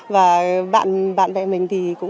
và bạn bè mình thì cũng